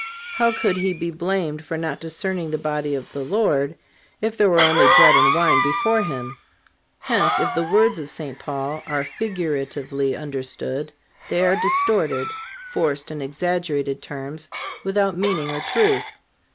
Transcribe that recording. How could he be blamed for not discerning the body of the Lord, if there were only bread and wine before him? Hence, if the words of St. Paul are figuratively understood, they are distorted, forced and exaggerated terms, without meaning or truth.